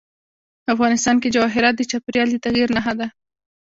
افغانستان کې جواهرات د چاپېریال د تغیر نښه ده.